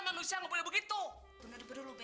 mak lo mau ngantarin hari ini juga